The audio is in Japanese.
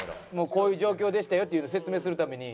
こういう状況でしたよっていうのを説明するために。